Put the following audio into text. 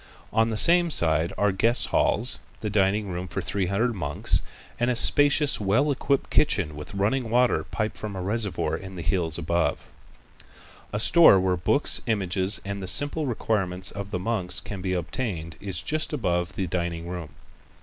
On the same side are guest halls, the dining room for three hundred monks, and the spacious, well equipped kitchen with running water piped from a reservoir in the hills above. A store where books, images and the simple requirements of the monks can be obtained is just above the dining room.